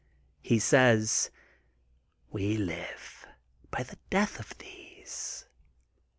He says: '*We live by the death of these.'